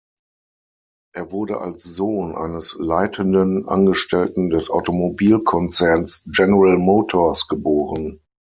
Er wurde als Sohn eines leitenden Angestellten des Automobilkonzerns General Motors geboren.